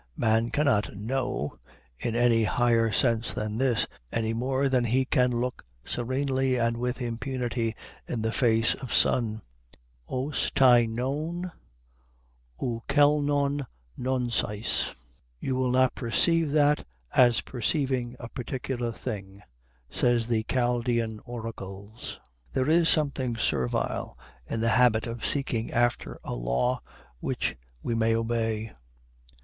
Man cannot know in any higher sense than this, any more than he can look serenely and with impunity in the face of sun: 'Ως τἱ νοὡν, οὑ κενον νοἡσεις, "You will not perceive that, as perceiving a particular thing," say the Chaldean Oracles. There is something servile in the habit of seeking after a law which we may obey.